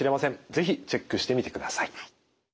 是非チェックしてみてください。